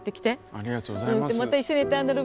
ありがとうございます。